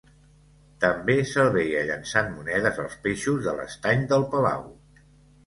També se'l veia llençant monedes als peixos de l'estany del palau.